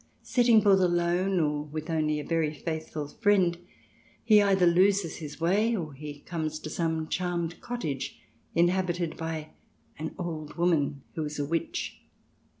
Setting forth alone, or with only a very faithful friend, he either loses his way or he comes to some charmed cottage inhabited by an " old woman who is a witch."